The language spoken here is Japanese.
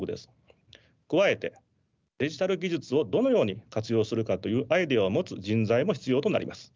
加えてデジタル技術をどのように活用するかというアイデアを持つ人材も必要となります。